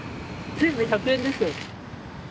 ・全部１００円ですよ。